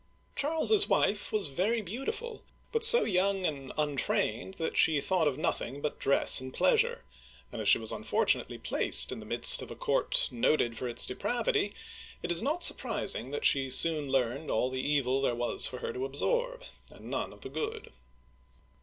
Charles's wife was very Digitized by Google CHARLES VI. (1380 1422) 17s beautiful, but so young and untrained that she thought of nothing but dress and pleasure ; and as she was unfortu nately placed in the midst of a court noted for its depravity, it is not surprising that she soon learned all the evil there was for her to absorb, and none of the good.